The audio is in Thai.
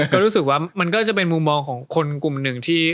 ก็รู้สึกว่ามันก็จะเป็นมุมมองของคนกลุ่มหนึ่งที่